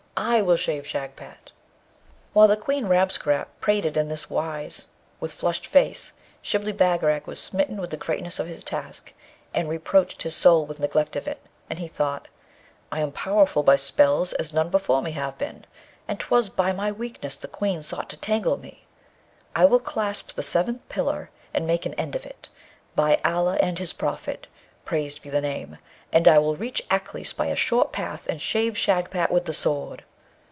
I will save Shagpat!' While the Queen Rabesqurat prated in this wise with flushed face, Shibli Bagarag was smitten with the greatness of his task, and reproached his soul with neglect of it. And he thought, 'I am powerful by spells as none before me have been, and 'twas by my weakness the Queen sought to tangle me. I will clasp the Seventh Pillar and make an end of it, by Allah and his Prophet (praised be the name!), and I will reach Aklis by a short path and shave Shagpat with the sword.'